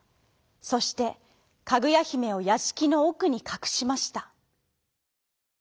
そしてかぐやひめをやしきのおくにかくしました。